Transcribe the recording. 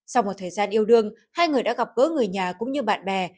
sau một thời gian yêu đương hai người đã gặp gỡ người nhà cũng như bạn bè